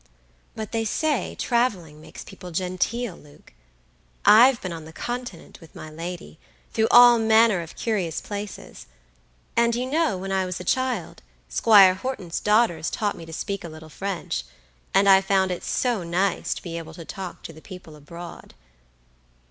"But they say traveling makes people genteel, Luke. I've been on the Continent with my lady, through all manner of curious places; and you know, when I was a child, Squire Horton's daughters taught me to speak a little French, and I found it so nice to be able to talk to the people abroad."